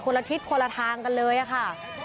ละทิศคนละทางกันเลยค่ะ